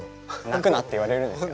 泣くなって言われるんですよね。